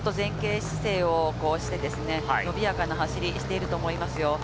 ちょっと前傾姿勢をして、伸びやかな走りをしていると思いますよ。